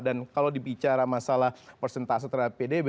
dan kalau dipicara masalah persentase terhadap pdb